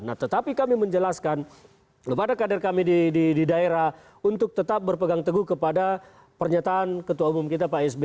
nah tetapi kami menjelaskan belum ada kader kami di daerah untuk tetap berpegang teguh kepada pernyataan ketua umum kita pak sby